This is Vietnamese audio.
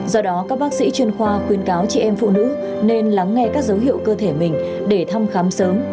do đó các bác sĩ chuyên khoa khuyên cáo chị em phụ nữ nên lắng nghe các dấu hiệu cơ thể mình để thăm khám sớm